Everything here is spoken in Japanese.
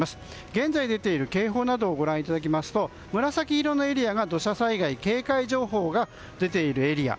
現在出ている警報などご覧いただくと紫色のエリアが土砂災害警戒情報が出ているエリア。